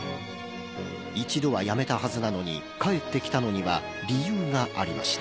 一度は辞めたはずなのに帰って来たのには理由がありました